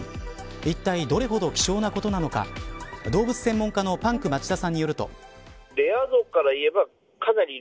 いったいどれほど希少なことなのか動物専門家のパンク町田さんによると。